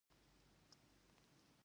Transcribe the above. اروپایي استازی به پاتیږي.